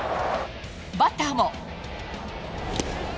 バッターも。